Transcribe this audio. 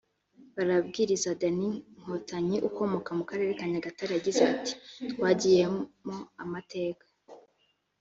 Barabwiriza Deny Nkotanyi ukomoka mu karere ka Nyagatare yagize ati “Twigiyemo amateka